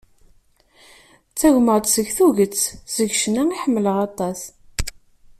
Ttagmeɣ-d s tuget seg ccna i ḥemmleɣ aṭas.